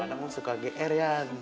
lo kadang kadang suka gr ya